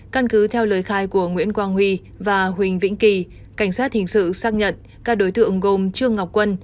căn cứ theo lời khai của nguyễn quang huy và huỳnh vĩnh kỳ cảnh sát hình sự xác nhận các đối tượng gồm trương ngọc quân